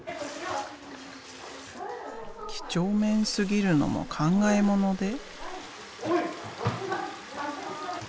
几帳面すぎるのも考えもので。